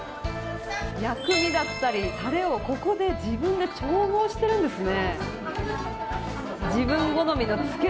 薬味だったり、タレをここで自分で調合しているんですね。